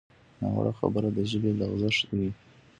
ناوړه خبره د ژبې لغزش وي